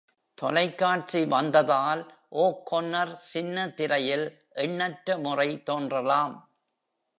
தொலைக்காட்சி வந்ததால் O'Connor சின்ன திரையில் எண்ணற்ற முறை தோன்றலாம்.